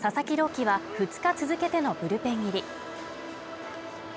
希は、２日続けてのブルペン入り。